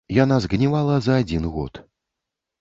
Яна згнівала за адзін год.